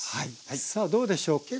さあどうでしょう